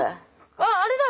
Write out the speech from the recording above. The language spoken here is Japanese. あっあれだ！